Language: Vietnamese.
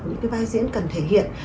những cái vai diễn cần thể hiện